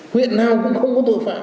huyện nào cũng không có tội phạm